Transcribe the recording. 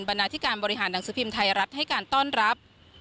นาธิการบริหารหนังสือพิมพ์ไทยรัฐให้การต้อนรับ